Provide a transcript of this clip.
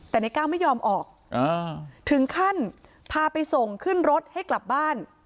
แต่ในก้าวไม่ยอมออกถึงขั้นพาไปส่งขึ้นรถให้กลับบ้าน